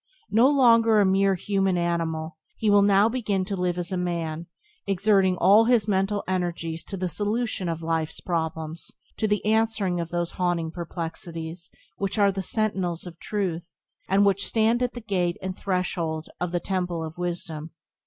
No longer a mere human animal, he will now begin to live as a man, exerting all his mental energies to the solution of life's problems, to the answering of those haunting perplexities which are the sentinels of truth, and which stand at the gate and threshold of the Temple of Wisdom.